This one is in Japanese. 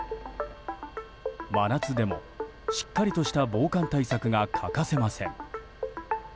真夏でも、しっかりとした防寒対策が欠かせません。